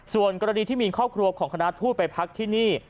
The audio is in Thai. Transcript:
ส่วนกรณีที่มีครอบครัวของคณะทูตไปพักที่นี่